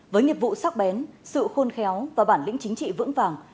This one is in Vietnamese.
với nghiệp vụ sắc bén sự khôn khéo và bản lĩnh chính trị vững vàng